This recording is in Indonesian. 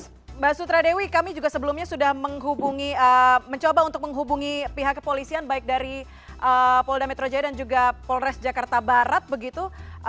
mbak sutradewi kami juga sebelumnya sudah menghubungi mencoba untuk menghubungi pihak kepolisian baik dari polda metro jaya dan juga polres jakarta barat begitu